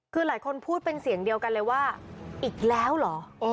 คือหลายคนพูดเป็นเสียงเดียวกันเลยว่าอีกแล้วเหรอ